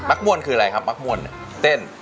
มักม่วนคืออะไรนะครับมักม่วนเนี่ยเต้น